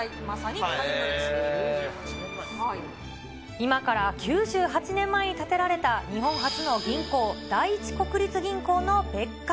今から９８年前に建てられた日本初の銀行、第一国立銀行の別館。